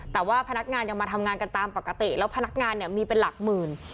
แต่ว่าพนักงานยังมาทำงานกันตามปกติแล้วพนักงานเนี่ยมีเป็นหลักหมื่น